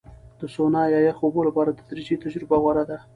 د سونا یا یخو اوبو لپاره تدریجي تجربه غوره ده.